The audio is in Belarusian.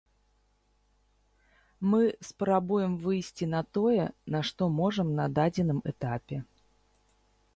Мы спрабуем выйсці на тое, на што можам на дадзеным этапе.